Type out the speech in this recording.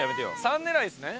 「３」狙いですね。